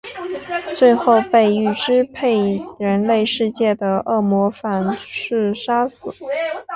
最后被欲支配人类世界的恶魔反噬杀死。